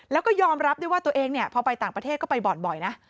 แล้วก็ยอมรับด้วยว่าตัวเองเนี่ยพอไปต่างประเทศก็ไปบ่อนบ่อยนะ